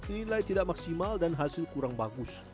nilai tidak maksimal dan hasil kurang bagus